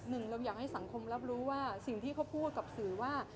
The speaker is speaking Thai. หนึ่งเราอยากให้สังคมรับรู้ว่าสิ่งที่เขาพูดกับสื่อว่า